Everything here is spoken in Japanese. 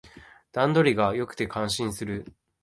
段取りが良くて感心する